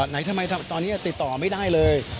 ไหนทำไมตอนนี้ติดต่อไม่ได้เลย